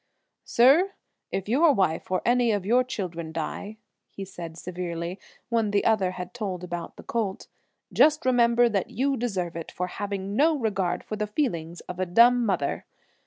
"Sir, if your wife or any of your children die," he said severely, when the other had told about the colt, "just remember that you deserve it, for having no regard for the feelings of a dumb mother.